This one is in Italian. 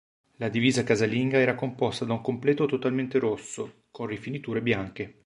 La divisa casalinga era composta da un completo totalmente rosso, con rifiniture bianche.